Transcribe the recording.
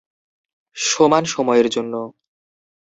সমান সময়ের জন্য।